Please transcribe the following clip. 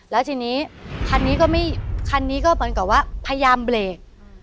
แล้วทีนี้คันนี้ก็เหมือนกับว่าพยายามเบรก